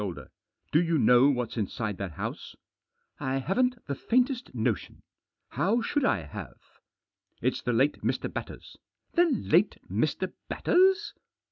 shoulder. "Do you know what's inside that house?" "I haven't the faintest notion. How should I have?" " It's the late Mr. Batters !"" The late Mr. Batters